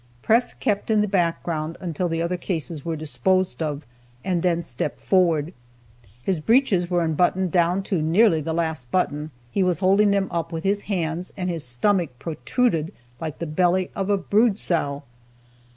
Press kept in the background until the other cases were disposed of, and then stepped forward. His breeches were unbuttoned down to nearly the last button, he was holding them up with his hands, and his stomach protruded like the belly of a brood sow.